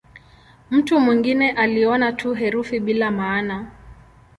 Mtu mwingine aliona tu herufi bila maana.